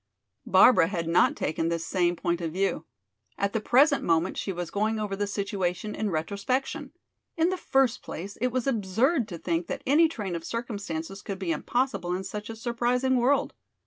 Barbara had not taken this same point of view. At the present moment she was going over the situation in retrospection. In the first place, it was absurd to think that any train of circumstances could be impossible in such a surprising world.